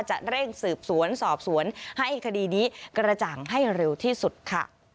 จะเร่งสืบสวนสอบสวนให้คดีนี้กระจ่างให้เร็วที่สุดค่ะ